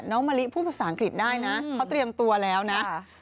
มะลิพูดภาษาอังกฤษได้นะเขาเตรียมตัวแล้วนะ